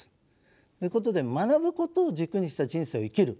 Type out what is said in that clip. ということで学ぶことを軸にした人生を生きる。